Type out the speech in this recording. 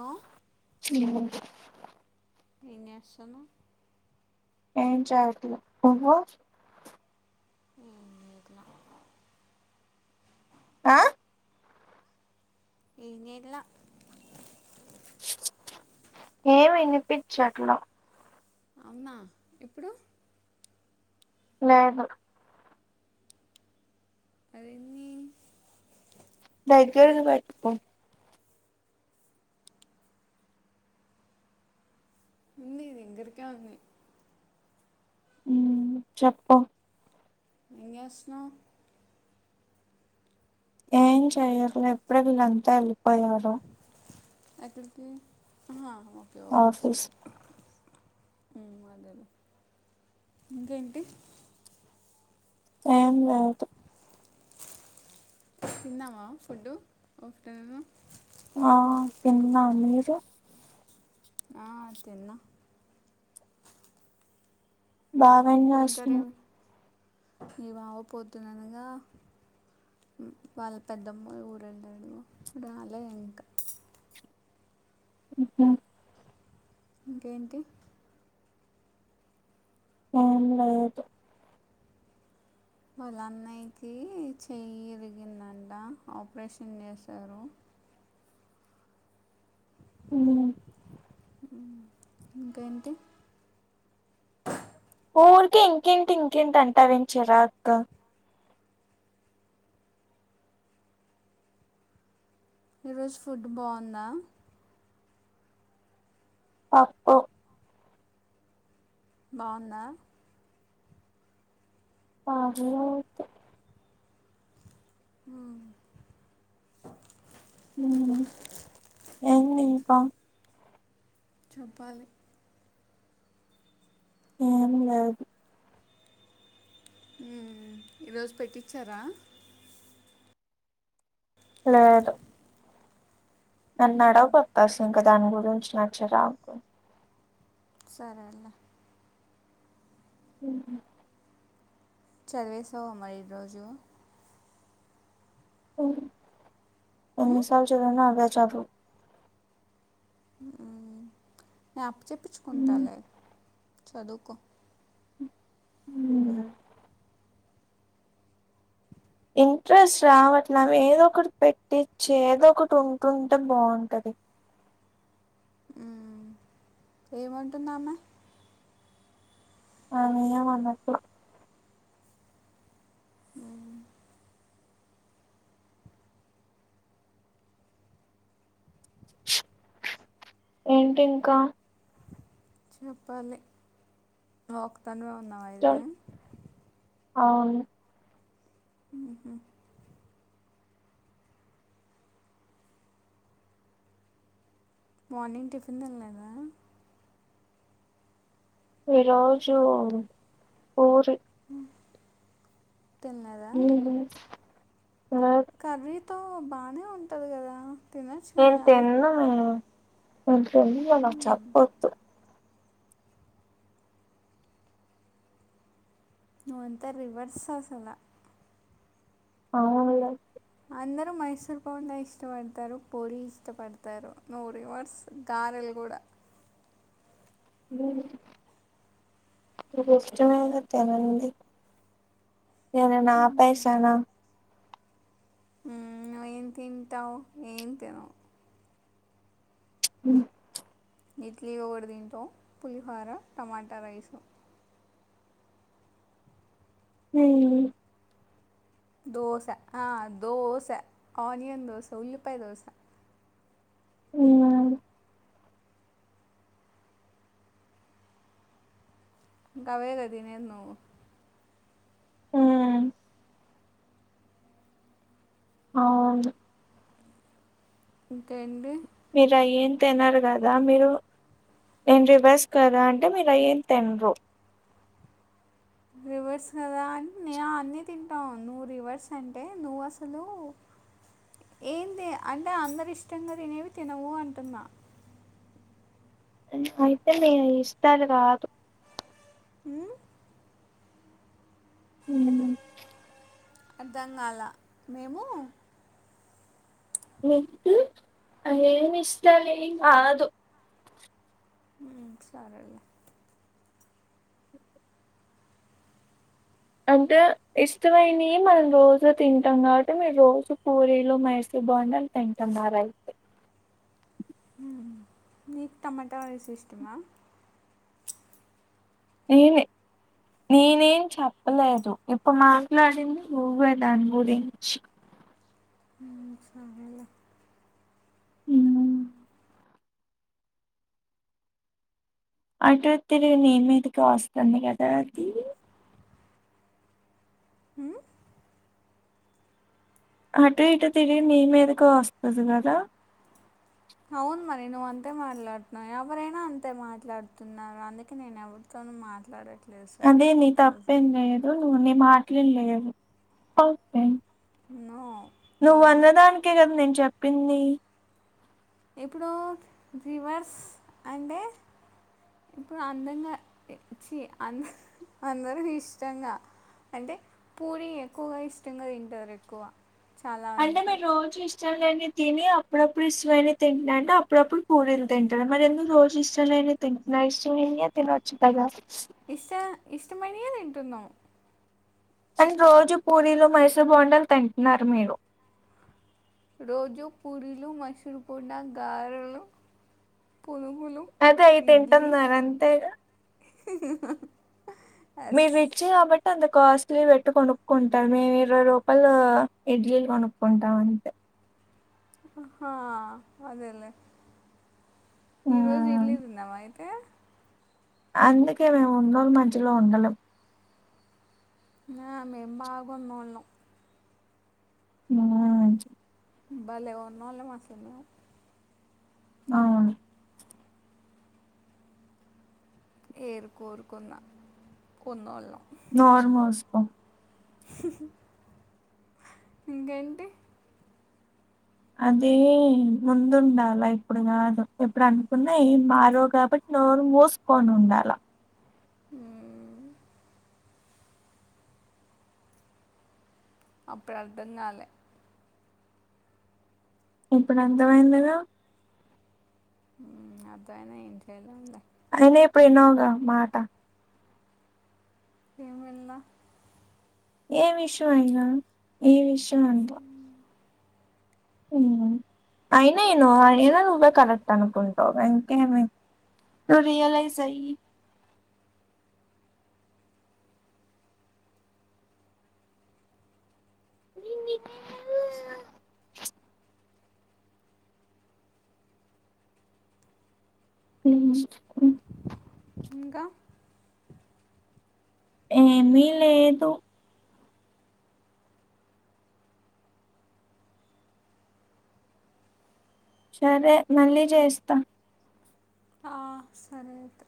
ఓ ఏం ఏం చేస్తునావ్ ఏం చెయ్యట్లే నువ్వు ఏం చేయట్ల ఆ ఏం చేయట్లే ఏమి వినిపిచ్చట్లా అవునా ఇప్పుడు లేదు ఆది ఏంది డైగర్న్ బయటకు ఉంది ఇది ఇంగ్గరకే ఉంది ఉమ్ చెప్పు ఏం చేస్తునావ్ ఏం చేయట్లేదు ఎప్పుడే వీళ్ళుంతా వెళ్ళిపోయారు ఎక్కడికి ఆహా ఓకే ఆఫీస్ ఊ అదే ఇంకేంటి ఏం లేదు తిన్నావా ఫుడ్ ఆఫ్టర్నూన్ ఆ తిన్న మీరు ఆ తిన్న బా ఏం కర్రీ నీ బావ పొద్దున్న అనగా వాళ్ళ పెద్దమ్మ వాళ్ళ ఊరు వెళ్ళాడు రాలే ఇంకా ఉ ఊ ఇంకేంటి ఏం లేదు వాళ్ళ అన్నయ్యకి చేయి విరిగింది అంట ఆపరేషన్ చేసారు ఊ ఉ ఇంకేంటి ఊరికే ఇంకేంటి ఇంకేంటి అంటావ్ ఏంటి చిరగ ఈరోజు ఫుడ్ బాగుందా పప్పు బావుందా పర్లేదు ఊమ్ ఊ ఏంది ఇంకా చెప్పాలి ఏం లేదు ఊ ఈ రోజు పెట్టిచారా లేదు నన్ను మ్మ్. నడగకు అక్క అసలు ఇంకా దాని గురించి నాకు చిరాకు సరేలె ఊహు చదివేసావ మరి ఈ రోజు ఎని సాల చదివిన అవే చదువు ఊ నేను అప్ప చెప్పించుకుంటలే చదువుకో ఉ ఊ ఇంట్రెస్ట్ రావట్ల ఆమె ఏదో ఒకటి పెట్టించి ఏదో ఒకటి ఉంటుంటే బాగుంటది ఏమంటుందమే ఆమె ఏమి అనట్లే ఆ ఏంటి ఇంకా చెప్పాలి నువ్ ఒక్కదానివే ఉన్నవా అయితే అవును ఊహు మార్నింగ్ టిఫిన్ తినలేదా ఈ రోజు పూరి తిన్నదా నేను కర్రీతో బానె ఉంటది కదా తినచ్చు కదా ఆ కొంచం ఇగ [unintelligible] చెప్పొదు ను అంత రివర్స్ అసల అవును లే అందరు మైసూర్ బోండా ఇష్టపడతారు పూరి ఇష్టపడతారు నువ్వు రివర్స్ గారెలు కూడా మ్మ్ మీకు ఇష్టమే కదా తినండి నేను ఎన ఆపేసాన ఏం తింటావు ఏన్ తినవు మ్మ్ హు ఇడ్లీ ఒకటి తింటావు పులిహర టమాటా రైసు నేను దోశ ఆ దోశ ఆనియన్ దోశ ఉల్లిపాయ దోశ మ్మ్ ఆ ఇంకవే గద తినేది నువ్వు మ్మ్ అవును ఇంకా ఏంటి మీరు అయేం తినరు కదా మీరు నేను రివర్స్ కదా అంటే మీరు అయేం తినరు రివర్స్ కదా అంటే నే అన్నీ తింటావు నువ్వు రివర్స్ అంటే నువ్వు అసలు ఏం అంటే అందరి ఇష్టంగా తినేవి తినవు అంటున్నా అయితే నే ఇష్టాలు కాదు మ్మ్ మ్మ్ అర్ధంగాలా మేము మీటు అయేవి ఇష్టలేం కాదు మ్మ్ సరే లే అంటే ఇష్టమైనయి మనం రోజు తింటాం కాబట్టి మీరు రోజు పూరీలు మైసూరూ బొండాలు తింటాం మరి అయితే మ్మ్ మీకు టమాటా రైస్ ఇష్టమ ఏ లే నేనేం చెప్పలేదు ఇప్పు మాట్లాడింది నువ్వే దాని గురించి మ్మ్ సరే లే ఇంగ అటు తిరిగి నీ మీదకె వస్తంది కదా అది మ్మ్ అటు ఇటు తిరిగి నీ మీదకు వస్తది కదా అవును మరి నువ్వు అంతే మాట్లాడుతున్నావు ఎవరైనా అంతే మాట్లాడుతున్నారు అందుకే నేను ఎవరు తోను మాట్లాడట్ అదే నీ తప్పేం లేదు నువ్వు నీ మాటలు లేదు ఒకే నో నువ్వు లేవు అన్నదానికే కదా నేను చెప్పింది ఇప్పుడు రివర్స్ అంటే ఇప్పుడు అందంగా చి అంద అందరికి ఇష్టంగా అంటే పూరి ఎక్కువగా ఇష్టంగా తింటారు ఎక్కువ చాలా అంటే మంది మీరు రోజు ఇష్ ష్టాలన్నీ తిని అప్పుడప్పుడు ఇష్టమైనవి తింటాంటే అప్పుడప్పుడు పూరీలు తింటాడు మరి ఎందుకు రోజు ఇష్టాలైన తింటున్నాయి ఇష్టమైనవే తినేయొచ్చు కదా ఇష్ట ఇష్టమైనవే తింటున్నాం కాని రోజు పూరీలు మైసూర్రు బోండాలు తింటున్నారు మీరు రోజు పూరీలు మసూర్పొడా గారలు పునుగులు అదే అయి తింటున్నారు అంతే హ్ మీరూ వచ్చయి కాబట్టి అంత కాస్ట్లీ పెట్టి కొనుక్కుంటాం మేము ఇరవై రూపాయలు ఇడ్లీలు కొనుక్కుంటాం అంతే ఆహా అదేలే ఈ రోజు హ్మ్. ఇడ్లీ తిన్నావా అయి తే అందుకే మేము ఉన్నోళ్ల మధ్యలో ఉండలేం ఆ మేం బాగా ఉన్నోళ్ళం ఉ భలే ఉన్నావులే మాసూ అవునా ఏరు కోరుకున్న ఉన్నోళ్ళం నోరు మూసుకో హ్ ఇంకేంటి అదే ముందుండాలి ఇప్పుడు కాదు ఎప్పుడు అనుకున్నా ఏం మారవు కాబట్టి నోరు మూసుకొని ఉండాల హ అప్పుడు అర్థం కాలే ఇప్పుడు అర్థమైంది కదా ఉమ్ అర్ధమైన ఏం చేయలేంలే అయిన ఇప్పుడు విన్నావుగా మాట ఏం విన్ల ఏ విషయం అయినా ఏ విషయం ఆన్ల అయి నేను అయినా నువ్వే కరెక్ట్ అనుకుంటావు ఇంకేమి నువ్వు రియలైజ్యి నేను నీ ఉహు ఇంకా ఏమి లేదూ సరే మళ్ళీ చేస్తా ఆ సరే అయితే